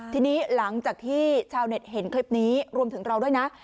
ทีนี้หลังจากที่ชาวเน็ตเห็นคลิปนี้รวมถึงเราด้วยนะ